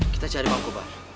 kita cari bang cobar